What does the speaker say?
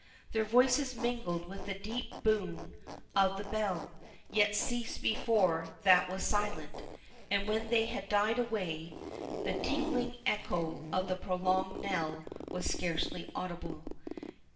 Their voices mingled with the deep boom of the bell, yet ceased before that was silent, and when they had died away, the tingling echo of the prolonged knell was scarcely audible.